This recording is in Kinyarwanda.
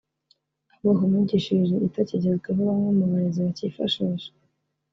Avuga ku myigishirize itakigezweho bamwe mu barezi bacyifashisha